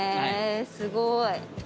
すごい。